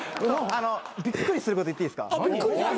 びっくりすること言っていいですか？